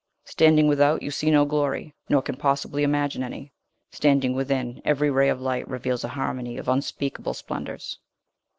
Standing without, you see no glory, nor can possibly imagine any; standing within, every ray of light reveals a harmony of unspeakable splendors."